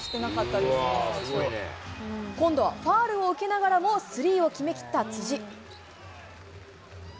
今度はファウルを決めながらも、スリーを決めきった辻。